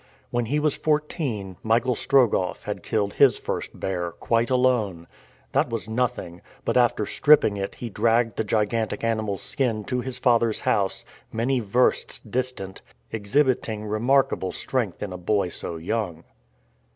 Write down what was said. When he was fourteen, Michael Strogoff had killed his first bear, quite alone that was nothing; but after stripping it he dragged the gigantic animal's skin to his father's house, many versts distant, exhibiting remarkable strength in a boy so young.